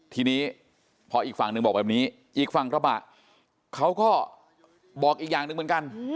ทีนี้พออีกฝั่งหนึ่งบอกแบบนี้อีกฝั่งกระบะเขาก็บอกอีกอย่างหนึ่งเหมือนกัน